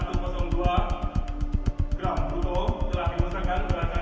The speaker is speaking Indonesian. bruto telah dimusahkan berhasil diberi teracara